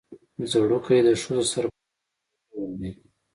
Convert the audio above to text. ځړوکی د ښځو د سر پټولو یو ډول دی